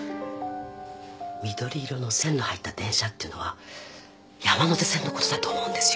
緑色の線の入った電車っていうのは山手線のことだと思うんですよ